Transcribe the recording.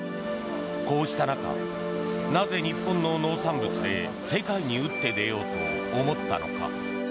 こうした中、なぜ日本の農産物で世界に打って出ようと思ったのか。